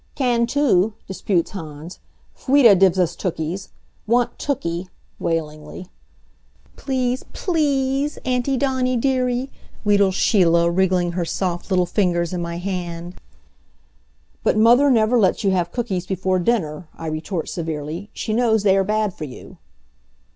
"Can too," disputes Hans. "Fwieda dives us tookies. Want tooky!" wailingly. "Please, ple e e ease, Auntie Dawnie dearie," wheedles Sheila, wriggling her soft little fingers in my hand. "But Mother never lets you have cookies before dinner," I retort severely. "She knows they are bad for you."